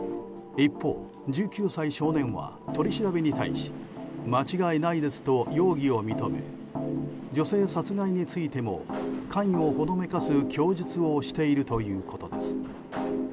一方、１９歳少年は取り調べに対し間違いないですと容疑を認め女性殺害についても関与をほのめかす供述をしているということです。